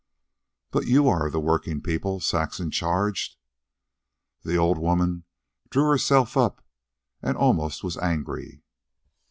"But you are of the working people," Saxon charged. The old woman drew herself up, and almost was angry.